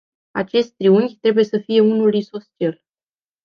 Acest triunghi trebuie să fie unul isoscel.